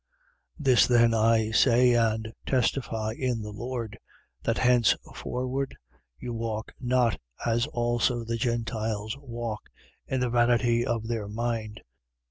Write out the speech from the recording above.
4:17. This then I say and testify in the Lord: That henceforward you walk not as also the Gentiles walk in the vanity of their mind: 4:18.